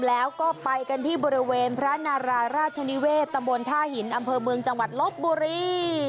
แล้วก็ไปกันที่บริเวณพระนาราราชนิเวศตำบลท่าหินอำเภอเมืองจังหวัดลบบุรี